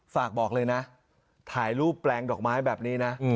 ฝากบอกเลยนะถ่ายรูปแปลงดอกไม้แบบนี้นะ